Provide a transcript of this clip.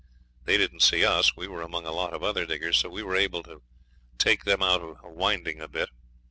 They didn't see us; we were among a lot of other diggers, so we were able to take them out of winding a bit.